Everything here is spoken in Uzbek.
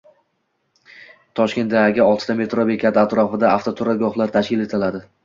Toshkentdagioltita metro bekati atrofida avtoturargohlar tashkil etiladi